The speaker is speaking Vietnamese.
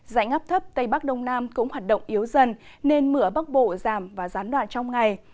dãy ngắp thấp tây bắc đông nam cũng hoạt động yếu dần nên mưa ở bắc bộ giảm và gián đoạn trong ngày